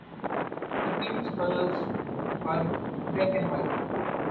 The team's colors are black and white.